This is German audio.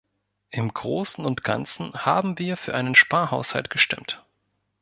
Im Großen und Ganzen haben wir für einen Sparhaushalt gestimmt.